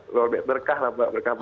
berkah lah mbak berkah buat kita mbak